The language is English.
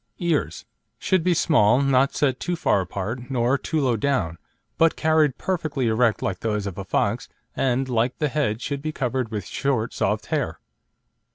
EARS Should be small, not set too far apart, nor too low down, but carried perfectly erect like those of a fox, and, like the head, should be covered with short, soft hair.